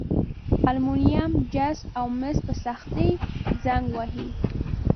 المونیم، جست او مس په سختي زنګ وهي.